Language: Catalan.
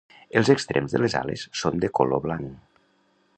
Els extrems de les ales són de color blanc.